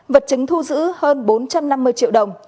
vật chứng thu giữ hơn bốn trăm năm mươi triệu đồng